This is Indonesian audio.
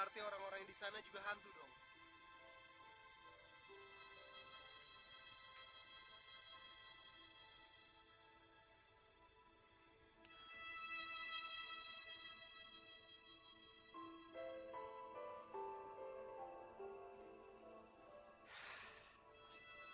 dan orang bisa terpesat disana